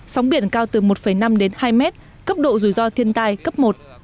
sóng biển cao từ một năm đến hai mét cấp độ rủi ro thiên tai cấp một